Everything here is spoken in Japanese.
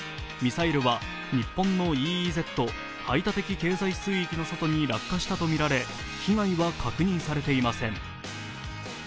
ミサイルは日本のＥＥＺ＝排他的経済水域の外に落下したとみられ、被害は確認されていません。